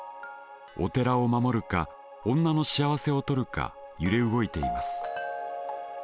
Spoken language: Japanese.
お寺を守るか女の幸せをとるか揺れ動いています。